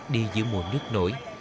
đi giữa mùa nước nổi